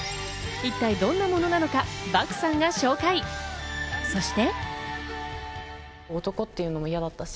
一体どんなものなのか、漠さんが紹介、そして。